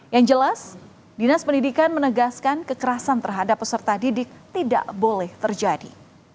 yang jelas dinas pendidikan menegaskan kekerasan terhadap peserta didik tidak boleh terjadi